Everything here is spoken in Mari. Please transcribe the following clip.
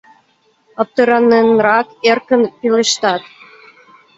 Аптыраненрак эркын пелештат...